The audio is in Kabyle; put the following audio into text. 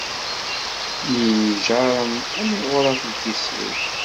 Myenjaṛen, am iɣuṛaf n tessirt.